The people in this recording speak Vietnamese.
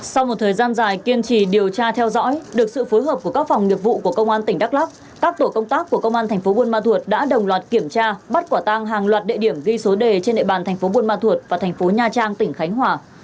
sau một thời gian dài kiên trì điều tra theo dõi được sự phối hợp của các phòng nghiệp vụ của công an tỉnh đắk lắk các tổ công tác của công an thành phố buôn ma thuột đã đồng loạt kiểm tra bắt quả tang hàng loạt địa điểm ghi số đề trên địa bàn thành phố buôn ma thuột và thành phố nha trang tỉnh khánh hòa